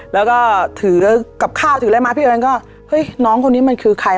แล้วก็ถือกับข้าวถืออะไรมาพี่เอิญก็เฮ้ยน้องคนนี้มันคือใคร